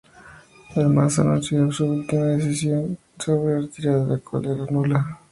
Además, anunció su última decisión sobre su retirada, la cual era nula.